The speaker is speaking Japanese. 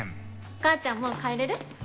お母ちゃん、もう帰れる？